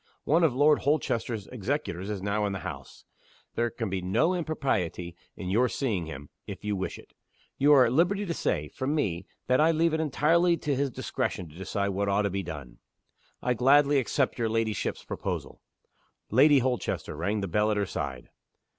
One of Lord Holchester's executors is now in the house. There can be no impropriety in your seeing him if you wish it. You are at liberty to say, from me, that I leave it entirely to his discretion to decide what ought to be done." "I gladly accept your ladyship's proposal." Lady Holchester rang the bell at her side.